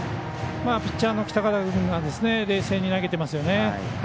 ピッチャーの北方君が冷静に投げてますよね。